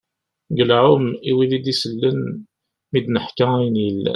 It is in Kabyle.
Galɛum i wid d-isellen, mi d-neḥka ayen yellan.